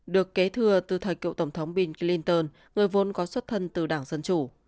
được kế thừa từ thời cựu tổng thống bill clinton người vốn có xuất thân từ đảng dân chủ